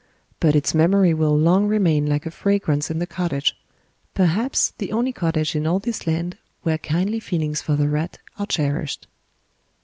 But its memory will long remain like a fragrance in the cottage perhaps the only cottage in all this land where kindly feelings for the rat are cherished.